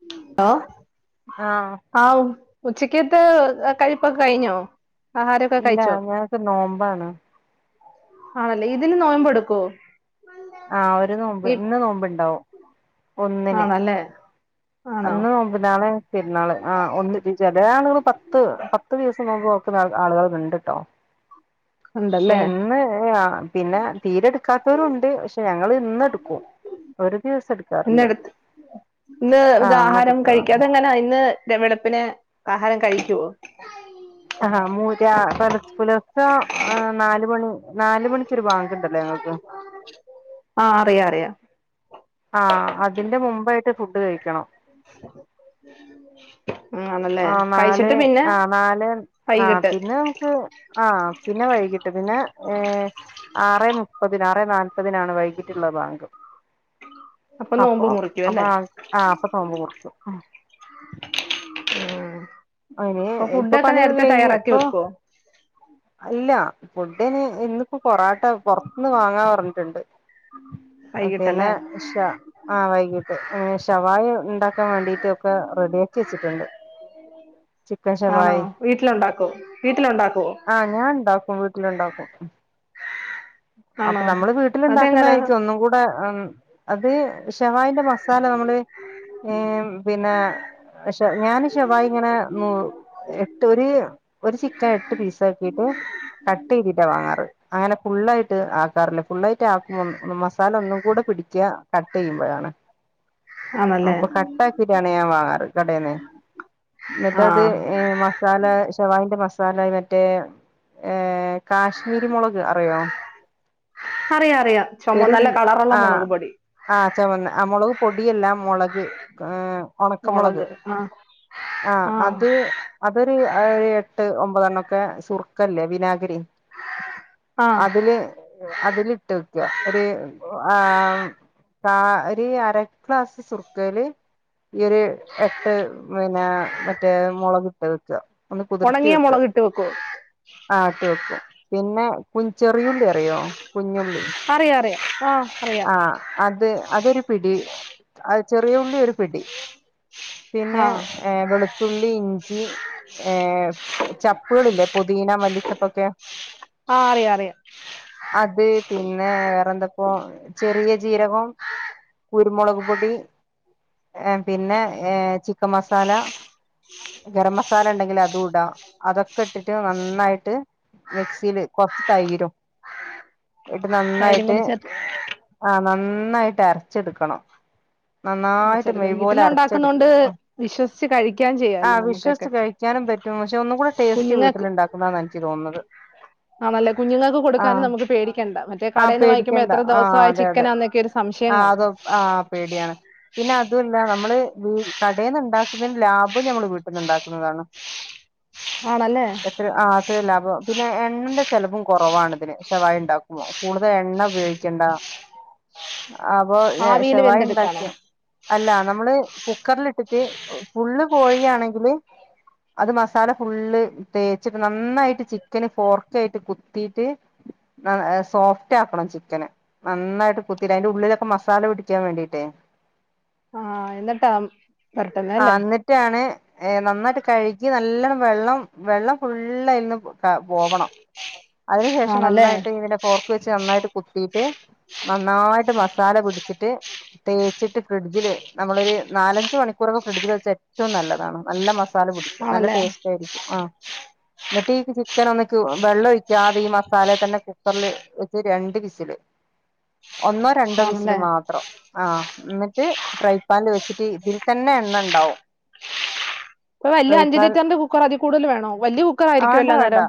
[unintelligible] ആഹ് ആ ഉ ഉച്ചക്ക്ത്ത കഴിപ്പൊക്കെ കഴിഞ്ഞോ? ആഹാരമൊക്കെ ഇല്ല കഴിച്ചോ ഞങ്ങക്ക് നോമ്പാണ്. ആണല്ലേ ഇതിന് നോബ് എടുക്കോ? ആ ഒരു നോമ്പ് ഇന്ന് നോമ്പ് ഇണ്ടാവും. ആണല്ലേ ആണോ അന്ന് നോമ്പ് നാളെ പെരുന്നാള് ആ ഒന്ന് ചി ചെല ആളുകള് പത്ത് പത്ത് ദിവസം നോമ്പ് നോക്കുന്ന ആള് ആളുകൾ ണ്ട്ട്ടോ ക്ഷെ ഉണ്ടല്ലേ ഇന്ന് ഹ് ആ പിന്നെ തീരെടുക്കാത്തവരു ഉണ്ട് പക്ഷെ ങ്ങള് ഇന്ന് എടുക്കു ഒരു ദിവസം എട് ന്നട്ത്ത് ഇന്ന് ത് ആഹ് ആഹാരം ഇന്നെടുത്തതാണ് കഴിക്കതെങ്ങനെ ഇന്ന് വെ വെളുപ്പിനെ ആഹാരം കഴി ആഹാ മൂരാ പൊലെച് പുലർച്ചെ എ നാല് മണി നാല് മണിക്കൊരു ബാങ്ക് ണ്ടല്ലോ ഞങ്ങൾ ആഹ് ആറിയ റിയ പ്പായിട്ട് ഫുഡ് കഴിക്കണം ഉം, ആണല്ലേ ആ നാല് കഴിച്ചിട്ട് പിന്നെ ആ നാല് ആ വൈകിട്ട് പിന്നെ നമുക്ക് ആ പിന്നെ വൈകിട്ട് പിന്നെ ഹേ ആറേ മുപ്പതിന് ആറേ നാല്പതിനാണ് വൈകിട്ടുള്ള ബാങ്ക് നോമ്പ് അപ്പൊ മുറിക്കും അപ്പൊ അല്ലേ ആ ആ അപ്പൊ പോമ്പ് മുറിക്കും ഉം അയിന് അപ്പൊ ഇപ്പൊ ഫുഡൊക്കെ പണി നേരത്തെ കഴിഞ് തയ്യാറാക്കി പ്പം വെക്കുവോ അല്ല ഫുഡെന്നെ ഇന്ന്പ്പോ പൊറാട്ട പൊറത്ത്ന്ന് വാങ്ങാ പറഞ്ഞിട്ടുണ്ട് പിന്നെ വൈകിട്ടല്ലേ ഷ ആ വൈകീട്ട് ഏഹ് ഷവായ ഇണ്ടാക്കാൻ വേണ്ടീട്ടൊക്കെ റെഡി ആക്കി വെച്ചിട്ട്ണ്ട് ചിക്കൻ ആണോ ഷവായി വീട്ടിലുണ്ടാക്കോ വീട്ടിലുണ്ടാക്കുവോ ആ ഞാൻ ഇണ്ടാക്കും വീട്ടില് ഉണ്ടാക്കും അപ്പൊ ആണോ നമ്മള് വീട്ടില് അതെങ്ങനാ ഉണ്ടാക്കുന്നതായിരിക്കും ഒന്നും കൂടെ ഉം അത് ഷവായിന്റെ മസാല നമ്മള് ഏഹ് പിന്നെ ഷ ഞാന് ഷെവായി ഇങ്ങനെ നു എട്ട് ഒര് ഒരു ചിക്കൻ എട്ട് പീസ് ആക്കീട്ട് കട്ട് ചിയ്തിട്ടാ വാങ്ങാറ് അങ്ങനെ ഫുള്ളായിട്ട് ആക്കാറില്ല ഫുള്ളായ്റ്റ് ആക്കും മസാല ഒന്നും കൂടെ പിടിക്ക കട്ട് ചെയ്യുമ്പഴാണ് ആണല്ലേ അപ്പൊ കട്ടാക്കീട്ടാണ് ഞാൻ വാങ്ങാറ് കടേന്നെ ഇന്നിട്ടത് ആഹ് ഏഹ് മസാല ഷവായിന്റെ മസ് സാല അത് മറ്റേ ഏഹ് കാശ്മീരി മുളക് [unintelligible] അറിയാം അറിയാം ചുമ എരു നല്ല കളറുള്ള ആഹ് മുളക് പൊടി ആ ചവന്ന ആ മുളക് പൊടിയല്ല മുളക് [unintelligible] ഉണക്കമുളക് മുളക് ആഹ് ആ ആഹ് അത് അതൊരു ഏ എട്ട് ഒമ് ബതണ്ണൊക്കെ സുർക്കല്ലേ വിനാഗിരി ആഹ് അതില് അതിലിട്ട് ട്ട്യ ഒര് ആ കാ ഒരു അര ഗ്ലാസ് സുർക്കേല് ഈ ഒരു എട്ട് പിന്നെ മറ്റേ മൊളക് ഇട്ട് വെക്ക ഒന്ന് കുതിർത്തി ഉണങ്ങിയ വെക്ക മുളക് ഇട്ട് വെക്കുവോ ആ ഇട്ട് വെക്കും പിന്നെ കു ചെറിയുള്ളി അറിയോ കുഞ്ഞുള്ളി അറിയാ അറിയാം ആഹ് അറിയാം ആഹ് അത് അതൊരു പിടി അത് ചെറിയു ള്ളി ഒര്പിടി പിന്നെ ആഹ് വെളുത്തുള്ളി ഇഞ്ചി ഏ ചപ്പുകളില്ലേ പൊതീന മല്ലിച്ചെപ്പൊക്കെ ആ അറിയാം അറിയാം ന്നെ വേറെന്തൊക്കോ ചി റിയ ജീരകം കുരുമുളക് പൊടി ഏ പിന്നെ ഏ ചിക്കൻ മസാല ഗരം മസാല ഇണ്ടെങ്കി അതും ഇടാ അതൊക്കെ ഇട്ടിട്ട് നന്നായിട്ട് മിക്സിയില് കൊറച്ച് തൈരും ഇട്ട് തൈരും നന്നായിട്ട് കൂടെ ചേർത്ത് ആ നന്നാ നന്നായിട്ട് അരച്ചെടുക്കണം നന്നായിട്ട് [inaudible] മെയ് പോലെ വീട്ടില് ഉണ്ടാക്കുന്നോണ്ട് അരച്ചെടുക്കുക വിശ്വ ശ കരി ക്കാൻ ആ ചെയ്യാലോ നമുക്കൊക്കെ വിശ്വസിച്ച് കഴിക്കാനും പറ്റും പക്ഷെ ഒന്നും കൂടെ ടേസ്റ്റ് കുഞ്ഞുങ്ങൾക്ക് വീട്ടിലുണ്ടാക്കുന്നതാന്ന് എനിക്ക് തോന്നുന്നത് ആണല്ലേ കുഞ്ഞുങ്ങൾക്ക് കൊടുക്കാനും ആഹ് നമുക്ക് പേടിക്കണ്ട മറ്റേ ആ കടയിൽന്ന് വാങ്ങിക്കുമ്പോ പേടിക്കണ്ട എത്ര ദിവസ ആ അതെ അതെ ചിക്കനാന്നൊക്കെ ഒരു സംശയം ആ കാണും അത് ആ പേടിയാണ് പിന്നെ അതല്ല നമ്മള് വീ കടയിൽന്ന ഉണ്ടാക്കുന്നതിന് ലാഭ ഇപ്പൊ ഞമ്മൾ വീട്ടിൽ ഉണ്ടാക്കുന്നതാണ് ആണല്ലേ എത്ര ആ അത്രല്ല ലാപ പിന്നെ എണ്ണന്റെ ചെലവും കുറവാണ് ഇതിന് ശവായ ഉണ്ടാക്കുമോ കൂടുതൽ എണ്ണ ഉപയോഗിക്കണ്ട അപ്പൊ ആവിയിൽ ഷവായി വെന്തെടുക്കാണോ ഉണ്ടാക്കിയ അല്ല നമ്മള് കുക്കറില ഇട്ടിട്ട് ഫുള്ള് കോഴിയാണെങ്കില് അത് മസാല ഫുള്ള് തേച്ചിട്ട് നന്നായിട്ട് ചിക്കന് ഫോർക്ക ആായിട്ട് കുത്തിട്ട് സോഫ്റ്റ് ആക്കണം ചിക്കന് നന്നായിട്ട് കുത്തിട്ട് അതിറെ ഉള്ളിലൊക്കെ മസാല പിടിക്കാൻ വേണ്ടിട്ടേ ആഹ് എന്നിട്ടാ പരട്ട്ന്നെ അല്ലേ ന്ന് നന്നായിട്ട് കഴുകി നല്ലോണ്ണം വെള്ളം വെള്ളം ഫുള്ളായിന് പോവണം അതിനുശേഷം ആണല്ലേ നന്നായിട്ട് ഇതിനെ പോർക്ക് വെച്ച് നന്നായിട്ട് കുത്തിട്ട് നന്നായിട്ട് മസാല പിടിച്ചിട്ട് തേച്ചിട്ട് ഫ്രിഡ്ജില് നമ്മളൊരു നാലഞ്ച മണിക്കൂറൊക്കെ ഫ്രിഡ്ജിൽ വെച്ച് ഏറ്റവും നല്ലതാണ് നല്ല മാസ മസാല പിടിക്കും നല്ല ആണല്ലേ ടേസ്റ്റ് ആയിരിക്കും ആഹ് ന്നിട്ട് ചിക്കൻ ഒന്നും വെള്ളൊഴിക്കാതെ ഈ മസാല തന്നെ കുക്കറില് വെച്ച് രണ്ട് വിസില് ഒന്നോ രണ്ടോ വിസില് ആണല്ലേ മാത്രം ആഹ് ന്നിട്ട് ഫ്രൈപാനിൽ വെച്ചിട്ട് ഇതീതന്നെ എണ്ണണ്ടാവും ഇപ്പ വല്ല്യ അഞ്ചു ലിറ്ററിന്റെ കുക്കർ അതി കൂടുതൽ വേണോ വല്ല്യ കുക്കർ ആയിരിക്കുവല്ലോ ന്നേരം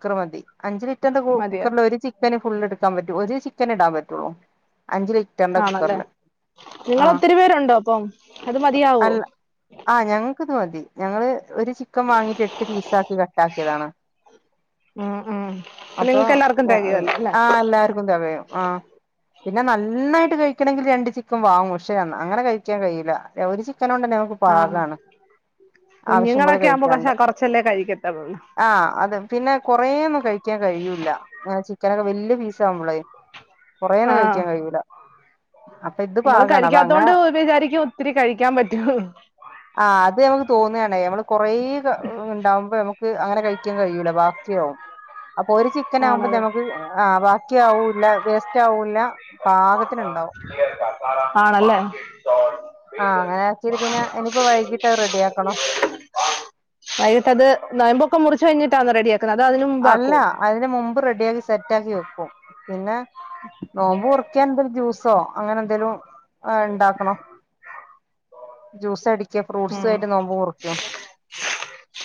ക്കർ മതി അഞ്ചുലി റ്ററിന്റ കുക്കറിൽ ഒരു ചിക്കന് ഫുള്ളെടുത്ത് [unintelligible] ചിക്കൻ ഇടാൻ പറ്റുള്ളൂ അഞ്ച് ലിറ്ററിന്റെ ആണല്ലേ കുക്കറില് നിങ്ങള് ആഹ് ഒത്തിരി പേരുണ്ടോ അപ്പം അത് മതിയാ അല്ല ആ ഞങ്ങ അത് മതി ഞങ്ങള് ഒരു ചിക്കൻ വാങ്ങീട്ട് എട്ട് പീസാക്കി കട്ടാക്കിയതാണ് ഉം ഉം അപ്പൊ നിങ്ങക്കെല്ലാർക്കും തെകയോല്ലോ അല്ലെ ആ പിന്നെ നന്നായിട്ട് കഴിക്കണമെങ്കിൽ രണ്ട് ചിക്കൻ വാങ്ങും പഷേ അങ്ങനെ കഴിക്കാൻ കഴിയില്ല ഒരു ചി അതൊണ്ടന്നെഞങ്ങക്ക് ആഹ് പാകാണ് ആവശ്യം പോലെ കുഞ്ഞുങ്ങളൊക്കെ ആവുമ്പോ കഷ കഴിക്കാണ്ട്. കൊറച്ചല്ലേ കഴിക്കത്തുള്ളൂ ആഹ് അത് പിന്നെ കൊറേ കഴിക്കാൻ കഴിയൂല്ല ങ്ങനെ ചിക്കനൊക്കെ വല്ല്യ പീസാകുമ്പളേ കൊറേന്നും ആഹ് കഴിക്കാൻ കഴിയൂല അപ്പൊ ഇത് നമ്മള് പാകാണ് അപ്പൊ അങ്ങനെ കഴിക്കാതോണ്ട് വിചാരിക്കും ഒത്തിരി കഴിക്കാൻ പറ്റൂന്ന് തോന്നാണ് കൊറേണ്ടാവുമ്പോ നമുക്ക് മ്മക്ക് അങ്ങനെ കഴിക്കാൻ കഴിയൂല ബാക്കിയാകും അപ്പൊ ഒരു ചിക്കൻ ആകുമ്പോ ആണത് നമക്ക് ആ ബാക്കി ക്കി ആവൂല്ല വേസ്റ്റ് ആവൂല്ല പാകത്തിനുണ്ടാവും ആണല്ലേ ആ അങ്ങനെ വെച്ചീട്ട് പിന്നെ ഇനിപ്പോ വൈകിട്ടത് റെഡി ആക്കണം കഴിച്ചുകഴിഞ്ഞിട്ടാണോ റെഡിയാക്ക അല്ല. അതിന് മുമ്പ് റെഡിയാക്കി, സെറ്റാക്കി വെക്കും പിന്നെ നോമ്പ് മുറിക്കാൻ എന്തര് ജ്യൂസ് സോ അങ്ങനെ എന്തേലും ആ ഇണ്ടാക്കണം ജ്യൂസ് അടി ഫ്രൂട്ട്സ ഉം ആയിട്ട് നോമ്പ് മുറിക്കും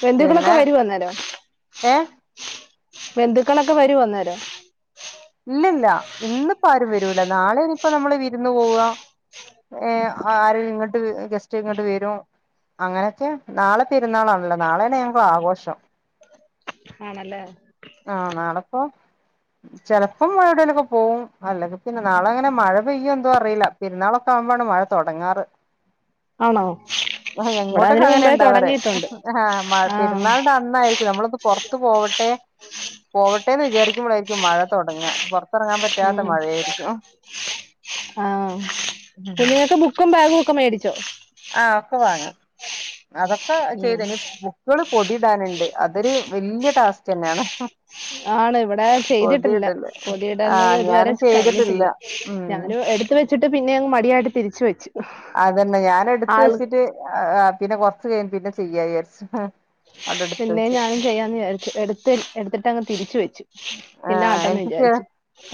ബന്ധുക്കളൊക്കെ പിന്നെ വരുവോ അന്നേരം ഏ ബന്ധുക്കളൊക്കെ വരു വന്നേരം ഇല്ലല്ല ഇന്നിപ്പോ ആരും വരൂല്ല നാളെനി ഇപ്പോ നമ്മള് വിരുന്ന് പോവാ ഏ ആര് ഇങ്ങോട്ട് ഗസ്റ്റ് ഇങ്ങോട്ട് വരും അങ്ങനെയൊക്കെ നാളെ പെരുന്നാളാണല്ലോ നാളെയാണ് ഞങ്ങളെ ആഘോഷം ആണല്ലേ ആഹ നാളെപ്പോ ചെലപ്പോ എവിടേലൊക്കെ പോകും അല്ലെങ്കിൽ പിന്നെ നാളെ അങ്ങനെ മഴ പെയ്യും എന്തും അറിയില്ല പെരുന്നാളൊക്കെ ആവുമ്പോാണ് മഴ തുടങ്ങാറ് ആണോ ഇവിടെ ഞങ്ങോട്ടൊക്കെ അതിന് മുമ്പേ അങ്ങനെയുണ്ടാവർ തുടങ്ങിയിട്ടുണ്ട് ആ ആഹ് പെരുന്നാളിന്റെ അന്നായിരിക്കും നമ്മളി പുറത്ത്പോവട്ടെ പോവട്ടെന്ന് വിചാരിക്കുമ്പോഴായിരിക്കും മഴ തുടങ്ങ പുറ ഉ ആ പിന്ന നിങ്ങക്ക് ബുക്കും ബാഗും ഒക്ക മേടിച്ചോ ആ ഒക്കെ വാങ്ങി അതൊക്കെ ഉം ചെയ്തന്നനി ബുക്കുകള് പൊതിടാനുണ്ട് അതൊരു വല്യ ടാസ്ക് തന്നെയാണ് ആണ് ഇവി ചെയ്തിട്ടില്ല പൊതിയിടല് പതിടത് ആഹ് ഇതുവരെ ഞാനും ചെയ്തിട്ടില്ല കഴിഞ്ഞിട്ടില്ല ഉം ഞാനും എടുത്ത വെച്ചിട്ട് പിന്നെ മടിയായിട്ട തിരിച്ചു വെച്ചു അതന്നെ ഞാൻ എടുത്ത ആള് വെച്ചിട്ട് പിന്നെ കൊ പിന്നെ ചെയ്യചാരിച്ചു പിന്നെ ഞാനും ചെയ്യാന്ന് വിചാരിച്ചു എടു എടുത്തിട്ടങ്ങ തിരിച്ചു വെച്ചു ആ പിന്നെ ആട്ടെന്ന് എനിക്ക് ചെ വിചാരിച്ചു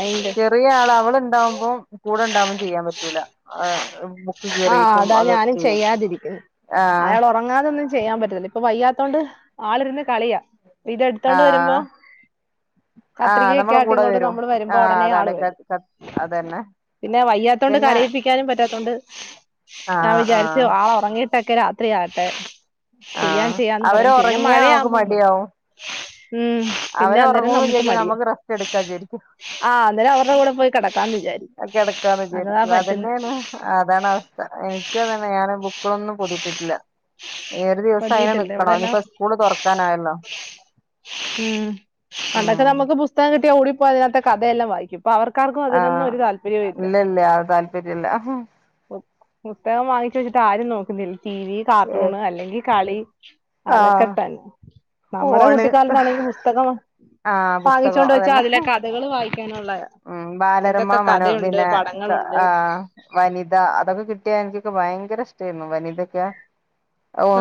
അയിന്റെ ചെറിയ ആൾ അവളുണ്ടാവുമ്പോം കൂടെ ഉണ്ടാവകുമ്പോം ചെയ്യാൻ പറ്റ ഇല്ലാ ആ ബു ആ അതാ ഞാനും ചെയ്യാതിരിക്കുന്നു ആഹ് അയാൾ ഉറങ്ങാതെൊന്നും ചെയ്യാൻ പറ്റില്ല ഇപ്പൊ വയ്യാത്ത ണ്ട് ആളിരുന്ന് കളിയാ ഇത എടുത്തോണ്ട് വരുമ്പോ ആഹ് ആഹ് കത്രികൊക്കെ നമ്മളെ ആട്ട് കൂടെ ഇങ്ങോട്ട് വരും നമ്മള് വരുമ്പോ ആഹ് ഉടനെ ആൾ അതാണ് ക വരും ക അതന്നെ പിന്നെ വയ്യാത്തോണ്ട് പിന്നെ കരയിപ്പിക്കാനും പറ്റാത്തോണ്ട് ഞാൻ ആഹ് വിചാരിച്ചു ആഹ് ആൾ ഉറങ്ങി ട്ടൊക്കെ രാത്രിയാട്ടെ ആ അവര് ഉറങ്ങിയാ നമക്ക് മടി മടിയാവും ഉം പിന്നെ അവര് അന്നേരം ഒറങ്ങും നമ്മുക്ക് വിചാരിക്കും മടിയ നമുക്ക് റെസ്റ്റ് എടുക്കാ വിചാരിക്കും ആ അന്നേരം അവരുടെ കൂടെ പോയി കിടക്കാന്ന് വിചാരി കിടക്കാന്ന് അതതാ പറ്റന്ന് എനിക്ക്തന്നെ ഞാൻ ബുക്കുകളൊന്നും പൊതിട്ടിട്ടില്ല ഏറ ദിവസം അയിനെ പറ്റിയിട്ടുണ്ട് നിക്കണം ഇവിടെല്ലാം ഇനിയിപ്പോ സ്കൂള് തുറക്കാനായല്ലോ ഉം പണ്ടൊക്കെ ഉം നമുക്ക് പുസ്തകം കിട്ടിയാ ഓടി അപ്പ അതിനകത്തെ കഥെല്ലാം വായിക്കും ഇപ്പൊ അവർക്കാർക്കും ആ അതിനൊന്നും ഒരു താല്പര്യവും ഇല്ല ഇല്ലല്ല ആ താല്പര്യല്ല പുസ്തകം വാങ്ങിച്ച് വെച്ചിട്ട് ആരും നോക്കുന്നില്ല ടി വി കാർട്ടൂണ് അല്ലെങ്കിൽ കളി അതൊക്കെ ആഹ് തന്നെ നമ്മുടെ ഫോണ് കുട്ടി [unintelligible] പുസ്തകം ആഹ് പുസ്തകം വാങ്ങിച്ചോണ്ട് വെച്ചാ അതന്നെ അതിലെ കഥകൾ വായി ആ [unintelligible] ഉം ബാലരമ മനോ പിന്നെ പടങ്ങളുണ്ട് ആ വനിത അതൊക്കെ കിട്ടിയാ എനിക്കൊക്കെ ഭയങ്കര ഭയങ്കരഷ്ടേർന്നു വനിതൊക്കെ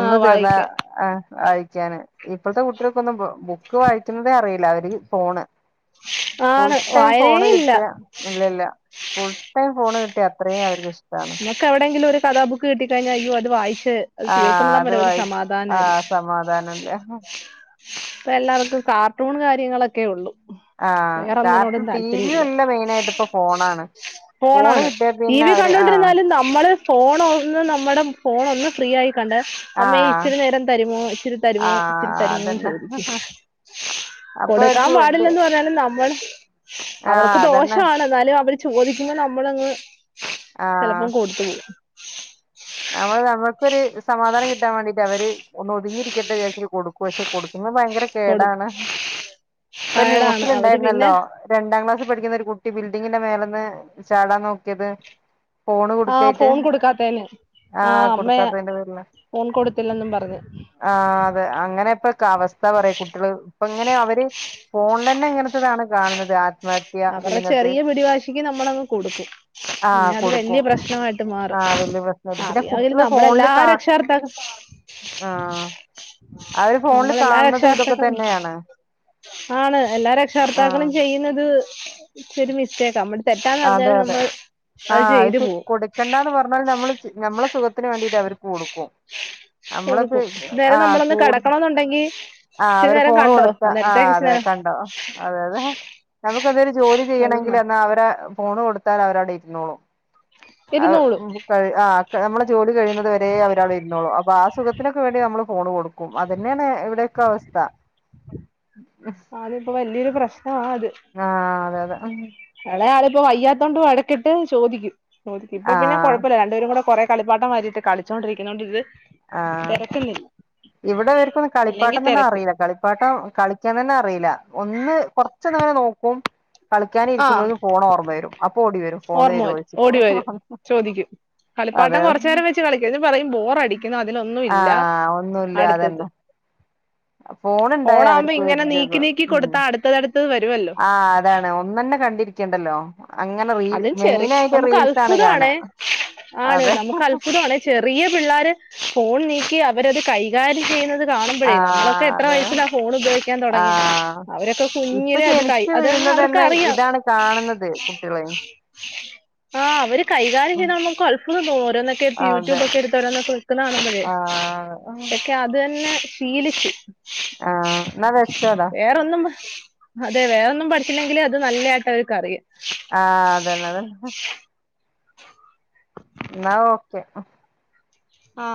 ആ തീർന്നാ വായിക്കാൻ ആ വായിക്കാന് ഇപ്പോഴത്തെ കുട്ടികൾക്കൊന്നും ബുക്ക് വായിക്കുന്നതേ അറിയില്ല അവര് ഫോണ് ആണ് ഫുൾ ടൈം വായനയേ ഫോണ് ഇല്ല കിട്ടിയാ ഇല്ലല്ല ഫുൾ ടൈം ഫോണ് കിട്ടിയ അത്രയും അവർക്കിഷ്ടാണ് എ [unintelligible] ഒരു കഥാബുക്ക് കിട്ടി കഴിഞ്ഞാ അയ്യോ അത് വായി ആ അത് വായിച്ചു ആ സമാധാനം ഇല്ല ഇപ്പ എല്ലാവർക്കും കാർട്ടൂൺ കാര്യങ്ങളൊക്കെ ഉള്ളൂ ആ കാർട്ടൂൺ ടിവിയും അല്ല മെയിനായിട്ട് ഇപ്പൊ ഫോണാണ് ഫോണ് ഫോണാണ് കിട്ടിയ ടി പിന്നെ വി അവര് ആഹ് കണ്ടൊണ്ടിരുന്നാലും നമ്മള് ഫോൺ ഒന്ന് നമ്മുടെ ഫോൺ ഒന്ന് ഫ്രീ ആയി ക [unintelligible] അമ്മ ആഹ് ഇച്ചിരി നേരം തരുമോ ഇച്ചിരി തരുമോ ഇച്ചിരി ആഹ് തരുമോന്ന് അതന്നെ ചോദിക്കും അപ്പൊ കൊടുക്കാൻ അവർക്ക് വേണ്ടി പാടില്ലെന്ന് പറഞ്ഞാലും നമ്മള് ആഹ് അവർക്ക് അതന്നെ ദോഷാണ് എന്നാലും അവര് ചോദി പിന്നെ നമ്മളങ്ങ് ആഹ് ചിലപ്പം കൊടുത്തു പോവും നമ്മള് നമുക്കൊരു സമാധാനം കിട്ട കട്ടാൻ വേണ്ടിട്ട് അവര് ഒതുങ്ങിരിക്കട്ടെ വിചാരിച്ചിട്ട്കൊടുക്കു പക്ഷെ കൊടുത്താ ന്ന് ഭയങ്കര കൊടു കേടാണ് ഇപ്പ ടയേടാണ് അവര് പിന്നെ ന്യൂസിലിണ്ടായിരുന്നല്ലോ രണ്ടാം ക്ലാസ്സില് പഠിക്കുന്ന ഒരു കു കുട്ടി ബിൽഡിങ്ങിന്റെ മേലന്ന് ചാടാൻ നോക്കിയത് ഫോണ് ആഹ് കൊടുക്കായിട്ട് ഫോൺ കൊടുക്കാത്തേന് ആ ആഹ് അമ്മ കൊടുക്കാത്തതിന്റെ പേരിൽ ഫോൺ കൊടുത്തില്ലെന്നും പറഞ്ഞ് ആ അതെ അങ്ങ് [unintelligible] പ്പൊക്കെ അവസ്ഥ പറ കുട്ടികൾ ഇപ്പ ഇങ്ങനെ അവര് ഫോണിൽ തന്നെ ഇങ്ങനത്തെതാണ് കാണുന്നത് ആ അവരെ ചെറിയ പിടിവാശിക്ക് നമ്മളങ് കൊടുക്കും പിന്നെ ആഹ് അത് വലിയ കൊടുക്കും പ്രശ്നമായിട്ട് മാറും ആഹ് വല്യ പ്രശ്നായിട്ട് പിന്നെ അറിയാതിരുന്ന കുട്ടികള് നമ്മൾ ഫോണില് എല്ലാ കാ രക്ഷർത്താക്കളും ആഹ് അവര് ഫോണില് നമ്മൾ എല്ലാ കാണുന്നതും ഇതൊക്കെ രക്ഷകർത്താക്കളും തന്നെയാണ് ആണ് എല്ലാ രക്ഷകർത്താക്കളും ആഹ് ചെയ്യുന്നത് ച്ചി രു മിസ്റ്റെക് [unintelligible] അതെ അതെ ചെയ്തു ആഹ് പോവും കൊടുക്കണ്ടന്ന് പറഞ്ഞാല് നമ്മൾ ചെ നമ്മളെ സു സുഖത്തിനു വേണ്ടിട്ട് അവര് കൊടും നമ്മൾ കൊടുക്കും പ്പം നേരെ ആ നമ്മളൊന്ന് കു കിടക്കണന്നുണ്ടെങ്കി ആ ഇച്ചിരി വര് നേരം ഫോൺ കണ്ടോ കൊടുത്ത ആ അന്നേരത്തേക്ക് ഇച്ചിരി തെ നേരം കണ്ടോ അതെ അതെ നമ്മക്ക് രു ജോലി അത് ചെയ്യാണെങ്കിൽ മതി ന്ന ആ അവരെ ഫോണ് കൊടുത്താൽ അവര് അവിടെ ഇരുന്നോളും ഇരുന്നോളും [unintelligible] ആ നമ്മളെ ജോലി ക കഴിയുന്നതുവരെ അവർ അവിടെയിരുന്നോളും ആ സുഖത്തിനോക്കെ വേണ്ടി നമ്മൾ ഫോണ് കൊടുക്കും കും അതെന്നെ ഇവിടൊക്കെ അവസ്ഥ അതിപ്പോ വലിയൊരു ആഹ് അതെ [unintelligible] എളയ ആള് ഇപ്പൊ വയ്യാത്തോണ്ട് വഴക്കിട്ട് ചോദിക്കും ചോദിക്കും ഇപ്പോ പിന്നെ ആഹ് കൊഴപ്പില്ല രണ്ടുപേരും കൂടെ കൊറെ കളിപ്പാട്ടം വാരിയിട്ട് കളിച്ചോണ്ടിക്കണോണ്ട് ഇത് ആഹ് തിരക്കുന്നില്ല ഇവിടെ ഇവർക്കൊന്നും അല്ലെങ്കി കളിപ്പാട്ടം തന്നെ തിരക്ക് അറിയില, കളിപ്പാട്ടം കളിക്കാൻ തന്നെ അറിയില. ഒന്ന് കൊറച്ചങ്ങനെ നോക്കും കളിക്കാൻ ആഹ് ഇരിക്കുമ്പോഴേക്കും ഫോൺ ഓർമ്മ വരും അപ്പൊ ഓടി വരും ഫോണ് ഓർമ്മ തരുവോ വെരും ചോദിച്ചിട്ട് ഓടി വെരും ചോദിക്കും കളിപ്പാട്ടം അതെ കൊറച്ച് നേരം വെച്ച് കളിക്കും [unintelligible] പറയും ബോറടിക്ക് [unintelligible] ആഹ് ഒന്നും ഇല്ല അതന്നെ ഫോൺ ഉണ്ടായ ആവുമ്പോ അവർക്ക് ഇങ്ങനെ നീക്കി നീക്കി ഉം കൊടുത്താ അടുത്തതടുത് ആഹ് അതാണ് [unintelligible] കണ്ടിരിക്കണ്ടല്ലോ അങ്ങനെ റീൽ അതും ചെറി മെയിനായിട്ട് നമുക്ക് റീൽസ് ആണ് കാണാ അത്ഭുതാണേ ആണ് അതെ നമുക്ക് അത്ഭുതാണേ ചെറിയ പിള്ളേര് ഫോൺ നീ ക്കി അവര് കൈകാര്യം ചെയ്യുന്നത് കാണുമ്പോഴേ നമ്മളൊക്കെ ആഹ് എത്ര അതെ വയസിൽ ആണ് ഫോൺ ഉപയോഗിക്കാൻ തെടങ്ങിയെ ആഹ് അവരൊക്കെ ഇപ്പൊ കുഞ്ഞിലെ അത് കൈ ജനിച്ചു അത് വീഴുന്നത് അവർക്ക് തന്നെ അറിയാം ഇതാണ് കാണുന്നത് കുട്ടികള് ആ അവര് കൈകാര്യം ഉം ചെയ്താ കാണുമ്പോ നമുക്ക് അത്ഭുതം തോന്നും ഓരോന്നൊക്കെ യൂട്യൂബ് അതെ ഒക്കെ എടുത്ത് ഓരോന്നൊക്കെ വയ്ക്കുന്നത് കാണുമ്പോഴെ ആഹ് അത് തന്നെ ശീലിച്ചു ആഹ് എന്നാ വെച്ചോടാ വേറൊന്നും അതെ വേറെയൊന്നും പഠി ക്കുനില്ലെങ്കിലും അത് നല്ലതായിട്ട് അവർക്ക് അറിയാം ആഹ് അതന്നെ അതന്നെ എന്നാ ഒ. കെ ആ